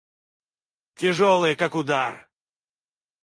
Тяжелые, как удар.